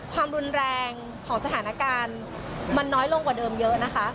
ความรุนแรงของสถานการณ์มันน้อยลงกว่าเดิมเยอะนะคะ